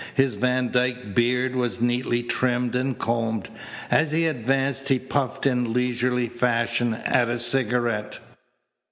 His Van Dyke beard was neatly trimmed and combed. As he advanced he puffed in leisurely fashion at a cigarette.